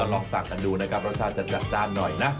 ลองสั่งกันดูนะครับรสชาติจะจัดจานหน่อยนะ